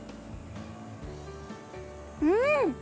うん！